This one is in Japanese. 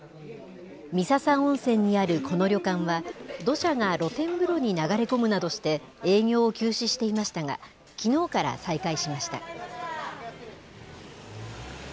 三朝温泉にあるこの旅館は、土砂が露天風呂に流れ込むなどして、営業を休止していましたが、きのうから再開しました。